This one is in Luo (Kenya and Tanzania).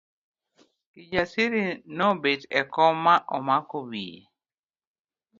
Kijasiri nobet e kom ma omako wiye.